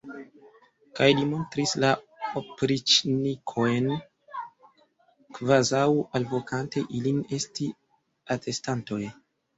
Kaj li montris la opriĉnikojn, kvazaŭ alvokante ilin esti atestantoj.